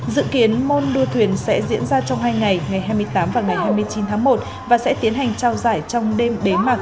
dự kiến môn đua thuyền sẽ diễn ra trong hai ngày ngày hai mươi tám và ngày hai mươi chín tháng một và sẽ tiến hành trao giải trong đêm bế mạc